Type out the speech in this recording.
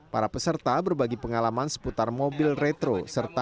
para peserta berbagi pengalaman seputar mobil retro